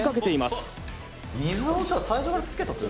「水をじゃあ最初からつけとく？」